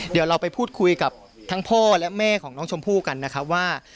เดี๋ยวเราไปพูดคุยกับทั้งพ่อและแม่ของน้องชมพู่กันนะครับว่า